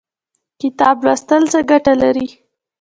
کتاب لوستل څه ګټه لري؟